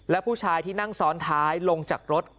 และผู้ชายที่นั่งซ้อนท้ายลงจากรถ